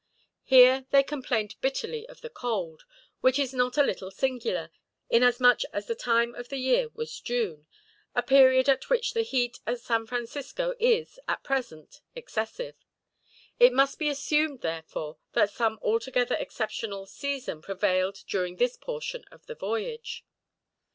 Here they complained bitterly of the cold; which is not a little singular, inasmuch as the time of the year was June, a period at which the heat at San Francisco is, at present, excessive. It must be assumed, therefore, that some altogether exceptional season prevailed during this portion of the voyage.